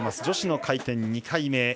女子の回転２回目。